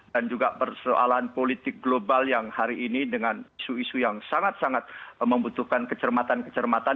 dan juga persoalan politik global yang hari ini dengan isu isu yang sangat sangat membutuhkan kecermatan kecermatan